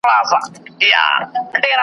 وخت د انسان لپاره مهم دی.